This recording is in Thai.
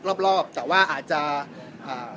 รอบรอบแต่ว่าอาจจะอ่า